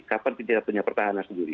kapan kita punya pertahanan sendiri